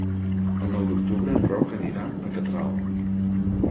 El nou d'octubre en Roc anirà a Catral.